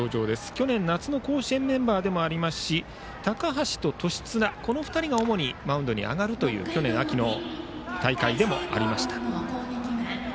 去年夏の甲子園メンバーでもありますし、高橋と年綱この２人が主にマウンドに上がるという去年秋の大会でした。